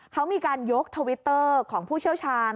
เขามีการยกทวิตเตอร์ของผู้เชี่ยวชาญ